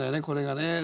これがね。